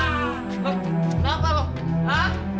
kenapa lu hah